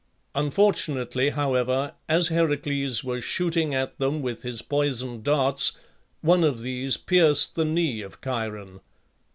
Unfortunately, however, as Heracles was shooting at them with his poisoned darts, one of these pierced the knee of Chiron.